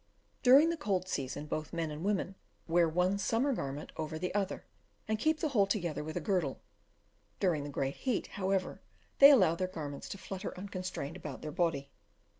During the cold season, both men and women wear one summer garment over the other, and keep the whole together with a girdle; during the great heat, however, they allow their garments to flutter unconstrained about their body.